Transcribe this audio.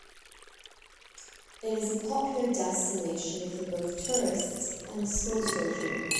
It is a popular destination for both tourists and schoolchildren.